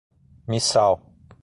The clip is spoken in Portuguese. Missal